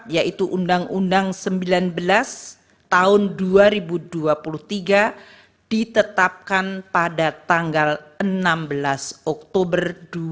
yaitu undang undang sembilan belas tahun dua ribu dua puluh tiga ditetapkan pada tanggal enam belas oktober dua ribu dua puluh